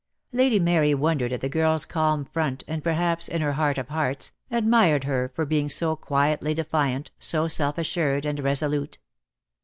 Lady Mary wondered at the girl's calm front, and perhaps, in her heart of hearts, admired her for being so quietly defiant, so self assured and reso lute.